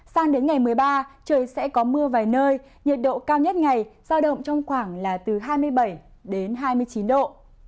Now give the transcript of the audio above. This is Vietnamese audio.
sang đến ngày một mươi ba trời sẽ có mưa vài nơi nhiệt độ cao nhất ngày giao động trong khoảng là từ hai mươi bảy đến hai mươi chín độ